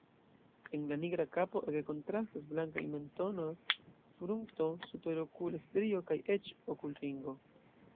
En la nigra kapo ege kontrastas blankaj mentono, frunto, superokula strio kaj eĉ okulringo.